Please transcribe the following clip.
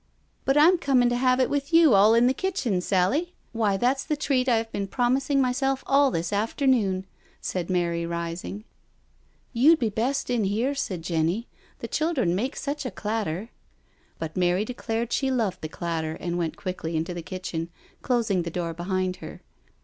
" But I'm coming to have it with you all in the kitchen, Sally—why, that's the treat I have been prom bing myself all this afternoon," said Mary, rising. " You'd be best in here," said Jenny. " The chil dren make such a clatter." But Mary declared she loved the clatter and went quickly into the kitchen, closing the door behind her.